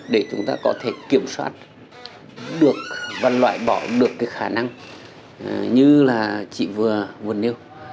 để chúng ta có thể kiểm soát được và loại bỏ được cái khả năng như là chị vừa nêu